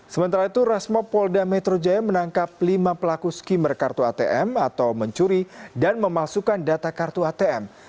sementara itu rasmo polda metro jaya menangkap lima pelaku skimmer kartu atm atau mencuri dan memalsukan data kartu atm